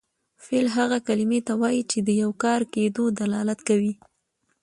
فعل هغې کلمې ته وایي چې د یو کار کیدو دلالت کوي.